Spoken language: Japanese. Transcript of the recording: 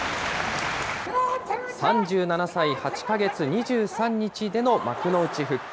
３７歳８か月２３日での幕内復帰。